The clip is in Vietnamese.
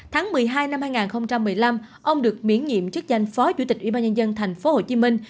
tháng một mươi hai năm hai nghìn một mươi năm ông được miễn nhiệm chức danh phó chủ tịch ủy ban nhân dân thành phố hồ chí minh